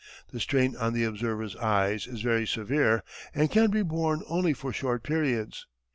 The strain on the observer's eyes is very severe and can be borne only for short periods.